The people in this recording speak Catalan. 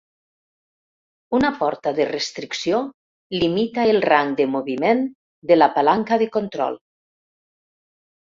Una porta de restricció limita el rang de moviment de la palanca de control.